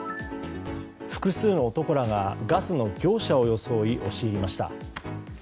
複数の男らがガスの業者を装い押し入りました。